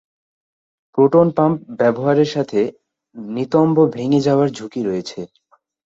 Proton pump ব্যবহারের সাথে নিতম্ব ভেঙে যাবার ঝুঁকি রয়েছে।